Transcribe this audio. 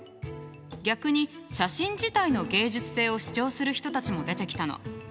逆に写真自体の芸術性を主張する人たちも出てきたの。